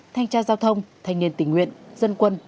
thanh tra giao thông thanh niên tình nguyện dân quân